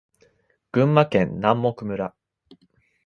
群馬県南牧村